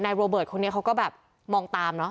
โรเบิร์ตคนนี้เขาก็แบบมองตามเนอ